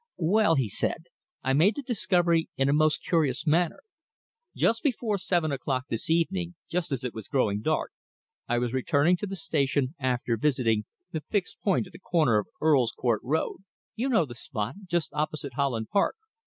"Well," he said, "I made the discovery in a most curious manner. Just before seven o'clock this evening, just as it was growing dark, I was returning to the station after visiting the `fixed point' at the corner of Earl's Court Road. You know the spot just opposite Holland Park."